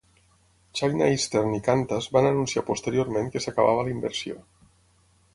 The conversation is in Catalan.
China Eastern i Qantas van anunciar posteriorment que s'acabava la inversió.